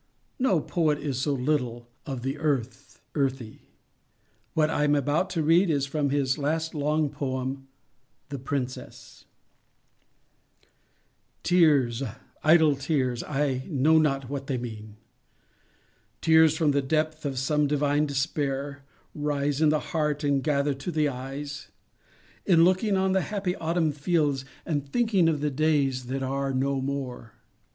No poet is so little of the earth, earthy. What I am about to read is from his last long poem, "The Princess":— Tears, idle tears, I know not what they mean, Tears from the depth of some divine despair Rise in the heart, and gather to the eyes, In looking on the happy Autumn fields, And thinking of the days that are no more.